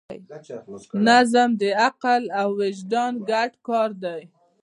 نظم د عقل او وجدان ګډ کار دی.